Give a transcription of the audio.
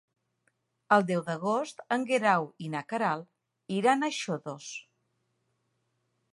El deu d'agost en Guerau i na Queralt iran a Xodos.